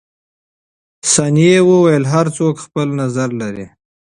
ثانیه وویل، هر څوک خپل نظر لري.